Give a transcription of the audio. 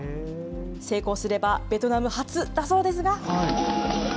成功すればベトナム初だそうですが。